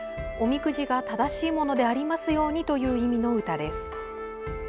おみくじが正しいものでありますようにという意味の歌です。